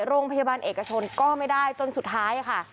โรงพยาบาลเอกชนก็ไม่ได้จนสุดท้ายค่ะ